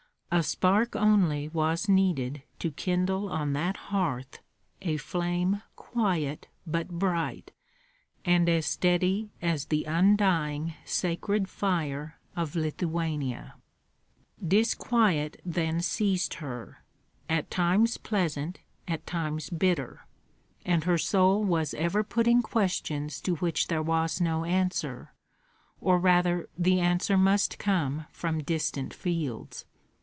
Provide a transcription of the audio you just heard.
A spark only was needed to kindle on that hearth a flame quiet but bright, and as steady as the undying sacred fire of Lithuania. Disquiet then seized her, at times pleasant, at times bitter; and her soul was ever putting questions to which there was no answer, or rather the answer must come from distant fields.